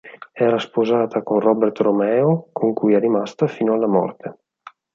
Era sposata con Robert Romeo con cui è rimasta fino alla morte.